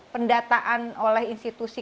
pendataan oleh institusi